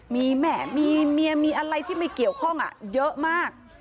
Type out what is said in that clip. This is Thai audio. มีแม่มีเมียมีอะไรที่ไม่เกี่ยวข้องเยอะมาก